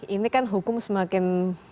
ini kan hukum semakin